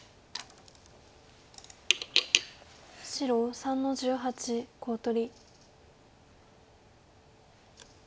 白３の十八コウ取り。